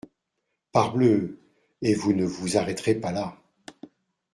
Parbleu ! et vous ne vous arrêterez pas là.